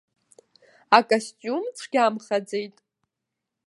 Акостиум цәгьамхаӡеит.